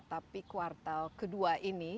tapi kuartal kedua ini